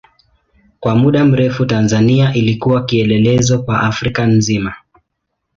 Kwa muda mrefu Tanzania ilikuwa kielelezo kwa Afrika nzima.